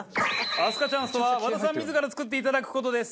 明日香チャンスとは和田さん自ら作っていただく事です。